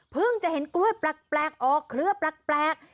จะเห็นกล้วยแปลกออกเครือแปลก